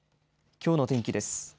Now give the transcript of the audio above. きょうの天気です。